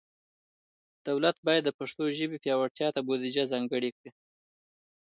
دولت باید د پښتو ژبې پیاوړتیا ته بودیجه ځانګړي کړي.